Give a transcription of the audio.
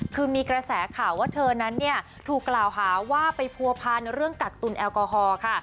คือมีกระแสข่าวว่าเธอนั้นเนี่ยถูกกล่าวหาว่าไปผัวพันเรื่องกักตุลแอลกอฮอล์ค่ะ